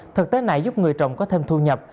thực tế này giúp người trồng có thêm thu nhập